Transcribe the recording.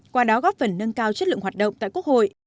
qua đó góp phần nâng cao chất lượng hoạt động tại quốc hội